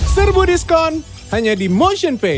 serbu diskon hanya di motionpay